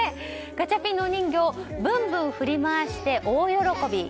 ガチャピンのお人形ぶんぶん振り回して大喜び。